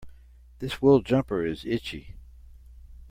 This wool jumper is itchy.